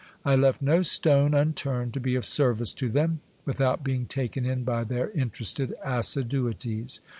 I left no stone unturned to be of service to them, without being taken in by their interested assiduities.